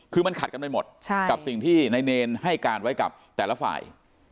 คือมันขัดกันไปหมดกับสิ่งที่นายเนรให้การไว้กับแต่ละฝ่าย